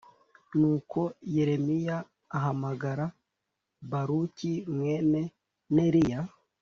nuko yeremiya ahamagara baruki mwene neriya